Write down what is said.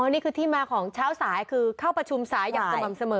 นี่คือที่มาของเช้าสายคือเข้าประชุมสายอย่างสม่ำเสมอ